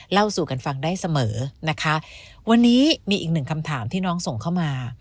เล่าสู่กันฟังได้เสมอนะคะวันนี้มีอีกหนึ่งคำถามที่น้องส่งเข้ามา